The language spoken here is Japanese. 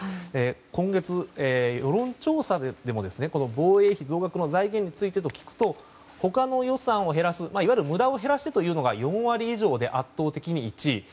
今月、世論調査でも防衛費増額の財源についてと聞くと他の予算を減らす、いわゆる無駄を減らしてというのが４割以上で圧倒的に１位。